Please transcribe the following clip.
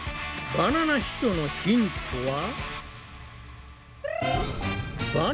バナナ秘書のヒントは。